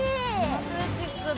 ◆アスレチックだ。